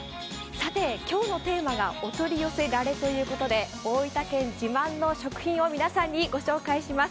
さて、今日のテーマがおとり寄せられということで、大分県自慢の食品を皆さんにご紹介します。